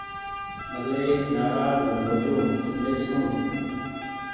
ڀلي نآراز هو جو مين سون۔